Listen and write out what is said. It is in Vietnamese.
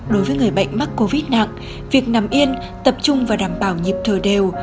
đối với người bệnh mắc covid nặng việc nằm yên tập trung và đảm bảo nhịp thờ đều